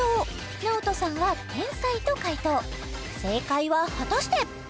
ｎａｏｔｏさんは「天才」と解答正解は果たして？